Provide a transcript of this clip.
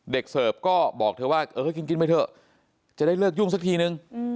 เสิร์ฟก็บอกเธอว่าเออกินไปเถอะจะได้เลิกยุ่งสักทีนึง